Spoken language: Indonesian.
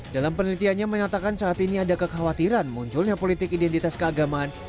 dalam penelitiannya menyatakan saat ini ada kekhawatiran munculnya politik identitas keagamaan